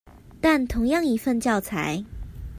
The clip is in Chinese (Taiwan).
但同樣一份教材